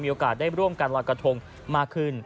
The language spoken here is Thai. มีโอกาสได้ร่วมกันรักฐงมากขึ้น